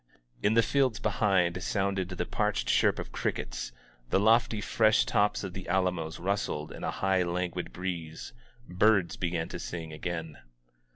In the fields behind sounded the parched chirp of crickets ; the lofty fresh tops of the alamos rustled in a high languid breeze; birds began to sing again.